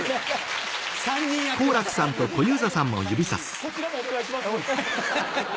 こちらもお願いします。